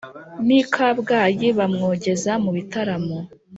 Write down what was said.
n' i kabgayi bamwogeza mu bitaramo.